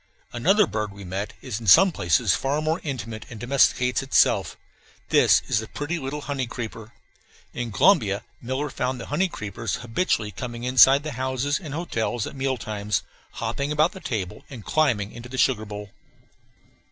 Another bird we met is in some places far more intimate, and domesticates itself. This is the pretty little honey creeper. In Colombia Miller found the honey creepers habitually coming inside the houses and hotels at meal times, hopping about the table, and climbing into the sugar bowl.